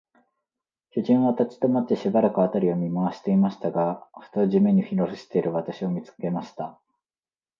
巨人は立ちどまって、しばらく、あたりを見まわしていましたが、ふと、地面にひれふしている私を、見つけました。